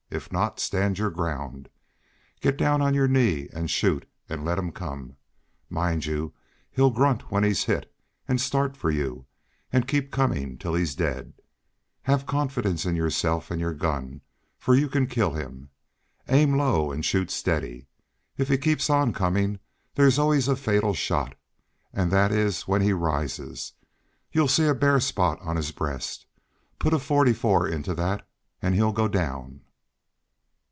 If not, stand your ground. Get down on your knee and shoot and let him come. Mind you, he'll grunt when he's hit, and start for you, and keep coming till he's dead. Have confidence in yourself and your gun, for you can kill him. Aim low, and shoot steady. If he keeps on coming there's always a fatal shot, and that is when he rises. You'll see a bare spot on his breast. Put a forty four into that, and he'll go down."